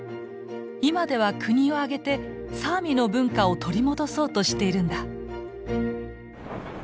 今では国を挙げてサーミの文化を取り戻そうとしているんだ。